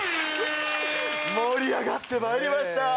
盛り上がってまいりました！